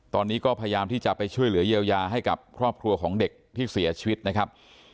ตอนนี้ก็พยายามที่จะไปช่วยเหลือเยียวยาให้กับครอบครัวของเด็กที่เสียชีวิตนะครับ